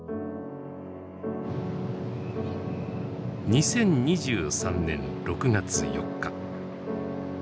２０２３年６月４日。